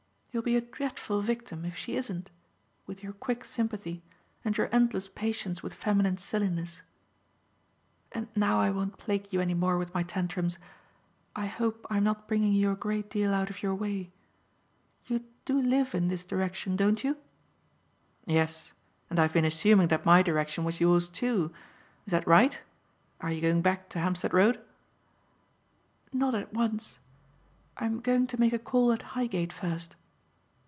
You'll be a dreadful victim if she isn't, with your quick sympathy and your endless patience with feminine silliness. And now I won't plague you any more with my tantrums. I hope I am not bringing you a great deal out of your way. You do live in this direction, don't you?" "Yes; and I have been assuming that my direction was yours, too. Is that right? Are you going back to Hampstead Road?" "Not at once. I'm going to make a call at Highgate first."